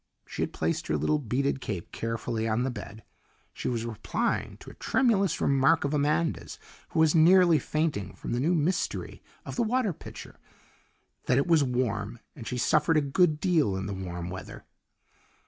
She had placed her little beaded cape carefully on the bed. She was replying to a tremulous remark of Amanda's, who was nearly fainting from the new mystery of the water pitcher, that it was warm and she suffered a good deal in warm weather.